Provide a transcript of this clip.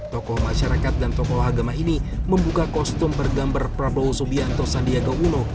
tokoh masyarakat dan tokoh agama ini membuka kostum bergambar prabowo subianto sandiaga uno